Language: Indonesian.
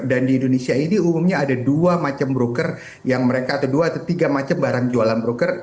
dan di indonesia ini umumnya ada dua macam broker yang mereka atau dua atau tiga macam barang jualan broker